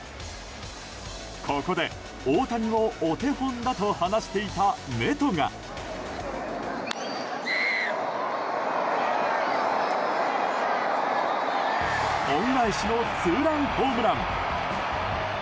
ここで大谷がお手本だと話していたネトが恩返しのツーランホームラン！